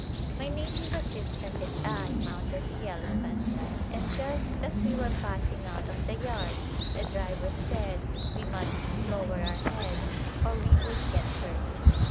My native assistant and I mounted the elephant and just as we were passing out of the yard the driver said we must lower our heads or we would get hurt.